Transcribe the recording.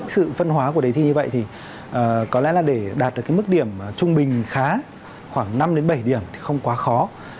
sự phân hóa của đề thi như vậy thì có lẽ là để đạt được cái mức điểm trung bình khá khoảng năm bảy điểm thì không quá khó